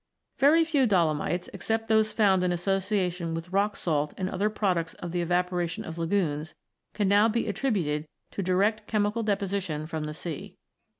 Very few dolomites, except those found in associa tion with rock salt and other products of the evapora tion of lagoons, can now be attributed to direct chemical deposition from the sea.